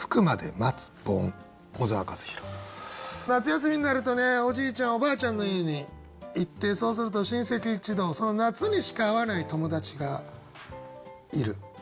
夏休みになるとねおじいちゃんおばあちゃんの家に行ってそうすると親戚一同その夏にしか会わない友達がいる。